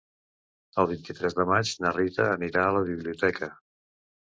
El vint-i-tres de maig na Rita anirà a la biblioteca.